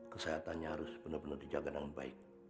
kesehatannya harus benar benar dijaga dengan baik